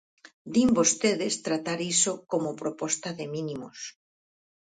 Din vostedes tratar iso como proposta de mínimos.